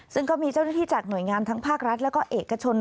ซึ่งก็มีเจ้าหน้าที่จากหน่วยงานทั้งภาครัฐแล้วก็เอกชน